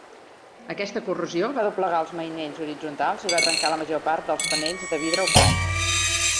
Aquesta corrosió va doblegar els mainells horitzontals i va trencar la major part dels panells de vidre opacs.